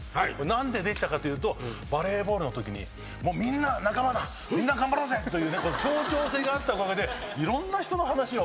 何でできたかというとバレーボールのときに「みんな仲間だみんな頑張ろうぜ」という協調性があったおかげでいろんな人の話を。